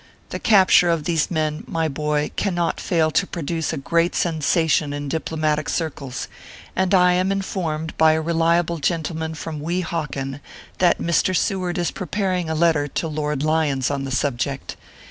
The capture of these men, my boy, cannot fail to produce a great sensation in diplomatic circles, and I am informed by a reliable gentleman from Weehawken, that Mr. Seward is preparing a letter to Lord Lyons on the subject.